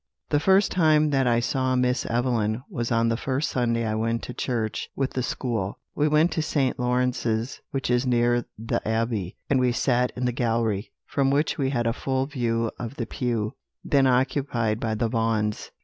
"The first time that I saw Miss Evelyn was on the first Sunday I went to church with the school. We went to St. Lawrence's, which is near The Abbey, and we sat in the gallery, from which we had a full view of the pew then occupied by the Vaughans.